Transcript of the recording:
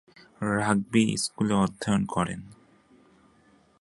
Rugby স্কুলে অধ্যয়ন করেন।